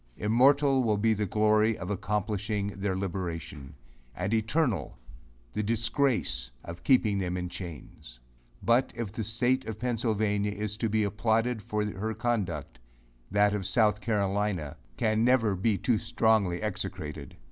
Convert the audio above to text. Immortal will be the glory of accomplishing their liberation; and eternal the disgrace of keeping them in chains. But, if the state of Pennsylvania is to be applauded for her conduct, that of South Carolina can never be too strongly execrated.